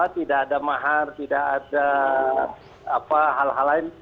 tidak ada mahar tidak ada hal hal lain